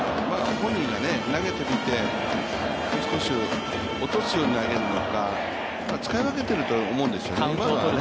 本人が投げてみて、落とすように投げるのか、使い分けていると思うんですよね。